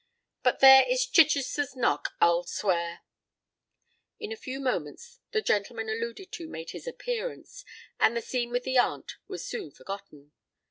But there is Chichester's knock, I'll swear!" In a few moments the gentleman alluded to made his appearance; and the scene with the aunt was soon forgotten.